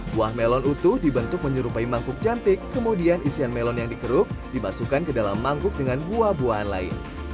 buah melon utuh dibentuk menyerupai mangkuk cantik kemudian isian melon yang dikeruk dibasuhkan ke dalam mangkuk dengan buah buahan lain